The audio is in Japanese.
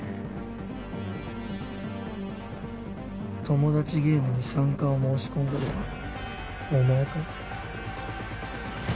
トモダチゲームに参加を申し込んだのはお前か？